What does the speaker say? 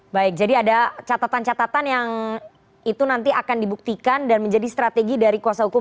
baik jadi ada catatan catatan yang itu nanti akan dibuktikan dan menjadi strategi dari kuasa hukum